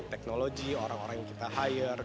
teknologi orang orang yang kita hire